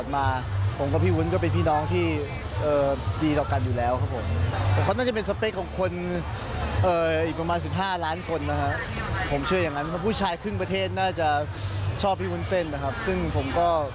มันก็สวยเนอะค่ะฮืม